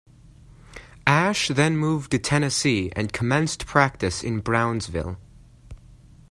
Ashe then moved to Tennessee and commenced practice in Brownsville.